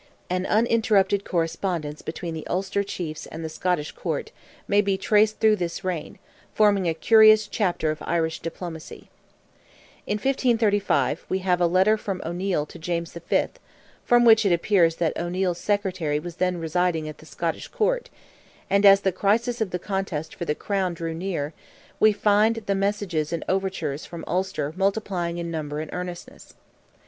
An uninterrupted correspondence between the Ulster Chiefs and the Scottish Court may be traced through this reign, forming a curious chapter of Irish diplomacy. In 1535, we have a letter from O'Neil to James V., from which it appears that O'Neil's Secretary was then residing at the Scottish Court; and as the crisis of the contest for the Crown drew near, we find the messages and overtures from Ulster multiplying in number and earnestness.